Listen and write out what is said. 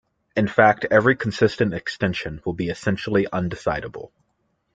In fact, every consistent extension will be essentially undecidable.